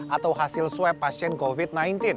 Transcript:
atau hasil swab pasien covid sembilan belas